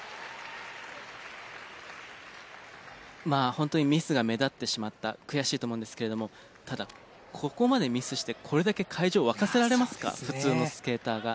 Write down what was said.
本当にミスが目立ってしまった悔しいと思うんですけれどもただここまでミスしてこれだけ会場を沸かせられますか普通のスケーターが。